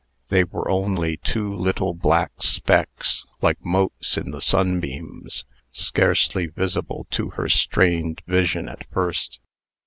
They were only two little black specks like motes in the sunbeams scarcely visible to her strained vision at first.